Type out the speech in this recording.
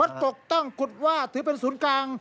มันตกต้องกุฎว่าถือเป็นศูนย์กลาง